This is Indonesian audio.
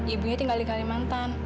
ibunya tinggal di kalimantan